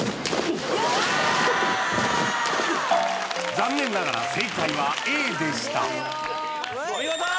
残念ながら正解はＡでしたお見事！